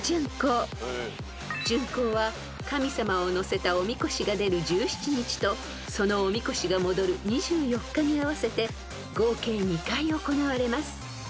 ［巡行は神様をのせたおみこしが出る１７日とそのおみこしが戻る２４日に合わせて合計２回行われます］